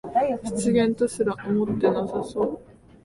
失言とすら思ってなさそう